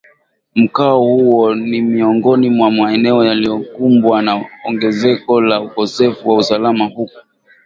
Mkoa huo ni miongoni mwa maeneo yaliyokumbwa na ongezeko la ukosefu wa usalama huku